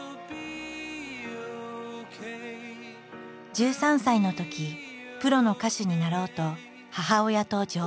１３歳のときプロの歌手になろうと母親と上京。